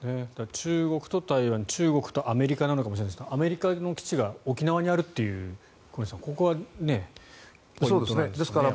中国と台湾中国とアメリカなのかもしれないですがアメリカの基地が沖縄にあるというここはポイントなんですね。